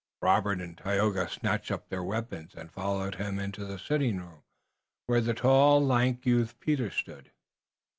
Robert and Tayoga snatched up their weapons, and followed him into the sitting room, where the tall lank youth, Peter, stood.